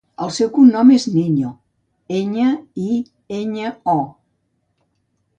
El seu cognom és Niño: ena, i, enya, o.